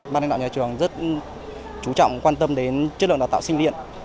ban đánh đạo nhà trường rất chú trọng quan tâm đến chất lượng đào tạo sinh viện